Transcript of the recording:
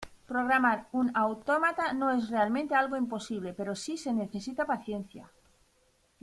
Programar un autómata no es realmente algo imposible, pero sí se necesita paciencia.